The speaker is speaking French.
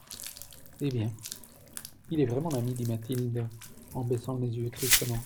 Eh bien ! il est vrai, mon ami, dit Mathilde en baissant les yeux tristement.